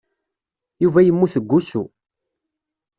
Yuba yemmut deg wusu.